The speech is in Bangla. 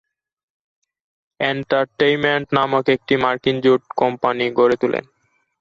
এন্টারটেইনমেন্ট নামক একটি মার্কিন জোট কোম্পানি গড়ে তুলেন।